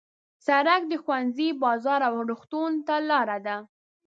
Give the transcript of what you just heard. سړک د ښوونځي، بازار او روغتون ته لاره ده.